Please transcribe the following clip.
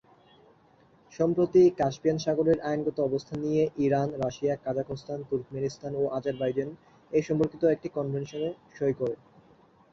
সম্প্রতি কাস্পিয়ান সাগরের ‘আইনগত অবস্থান’ নিয়ে ইরান, রাশিয়া, কাজাখস্তান, তুর্কমেনিস্তান ও আজারবাইজান এ সম্পর্কিত একটি কনভেনশনে সই করে।